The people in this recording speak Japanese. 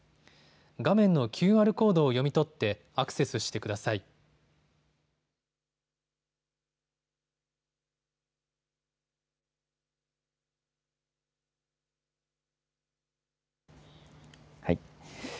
画面のＱＲコードを読み取ってアクセスしてください。